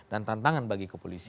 dan tantangan bagi kepolisian